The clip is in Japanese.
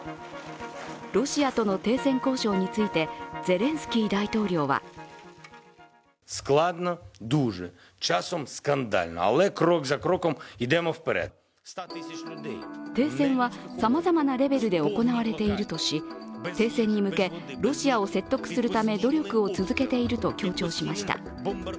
ロシアとの停戦交渉についてゼレンスキー大統領は停戦はさまざまなレベルで行われているとし停戦に向け、ロシアを説得するため努力を続けていると強調しました。